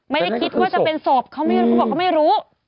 ไม่ได้คิดว่าจะเป็นโสบเขาบอกเขาไม่รู้